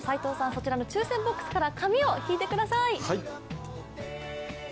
そちらの抽選ボックスから紙を引いてください。